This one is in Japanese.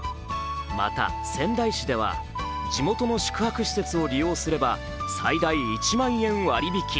また仙台市では地元の宿泊施設を利用すれば最大１万円割引き。